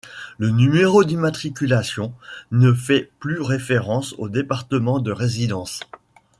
Le numéro d'immatriculation ne fait plus référence au département de résidence.